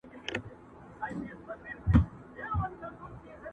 دا حالت کيسه يو فلسفي او تخيلي لور ته بيايي،